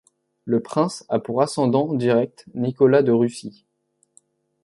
Le prince a pour ascendant direct Nicolas de Russie.